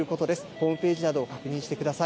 ホームページなどを確認してください。